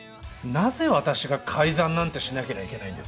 なぜ私が改ざんなんてしなけりゃいけないんです